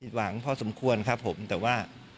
หวังพอสมควรครับผมแต่ว่า